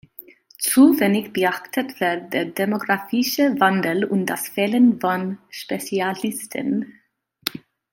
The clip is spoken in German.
Zu wenig beachtet wird der demografische Wandel und das Fehlen von Spezialisten.